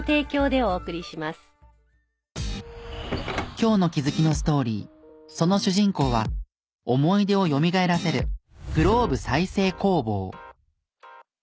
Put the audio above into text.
今日の気づきのストーリーその主人公は思い出をよみがえらせるグローブ再生工房。